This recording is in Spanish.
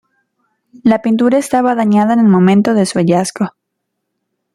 La pintura estaba dañada en el momento de su hallazgo.